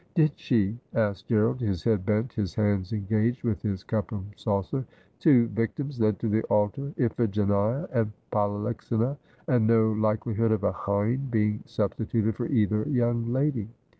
'Did she?' asked Gerald, his head bent, his hands engaged with his cup and saucer. ' 'Two victims led to the altar : Iphi genia and Polyxena, and no likelihood of a hind being substi tuted for either young lady.